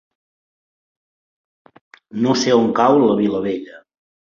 No sé on cau la Vilavella.